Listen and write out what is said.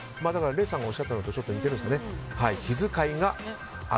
礼さんがおっしゃったのと似てるんですかね。